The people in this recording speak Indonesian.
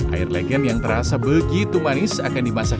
air legin yang terasa begitu manis akan dibuat